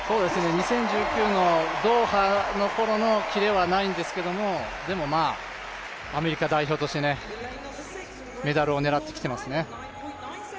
２０１９年のドーハのころのキレはないんですけど、でも、アメリカ代表としてメダルを狙ってきてますね。